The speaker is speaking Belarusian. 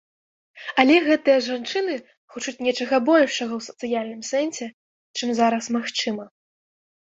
Але гэтыя жанчыны хочуць нечага большага ў сацыяльным сэнсе, чым зараз магчыма.